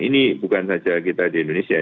ini bukan saja kita di indonesia